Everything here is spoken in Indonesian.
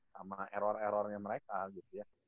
sama error errornya mereka gitu ya